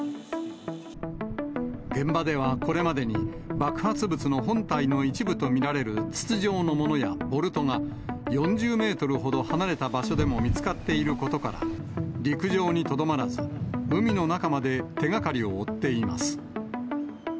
現場ではこれまでに、爆発物の本体の一部と見られる筒状のものやボルトが、４０メートルほど離れた場所でも見つかっていることから、陸上にとどまらず、海の中まで手がかりを追っています。